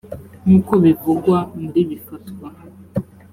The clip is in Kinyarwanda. nk uko bivugwa muri bifatwa